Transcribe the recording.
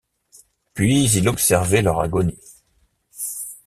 Puis il observait leur agonie.